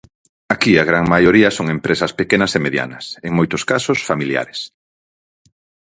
Aquí a gran maioría son empresas pequenas e medianas, en moitos casos familiares.